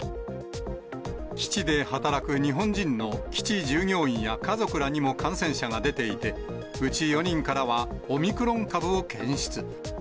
基地で働く日本人の基地従業員や家族らにも感染者が出ていて、うち４人からはオミクロン株を検出。